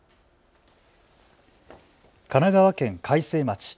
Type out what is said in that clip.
神奈川県開成町。